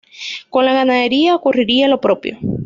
Con la ganadería ocurría lo propio.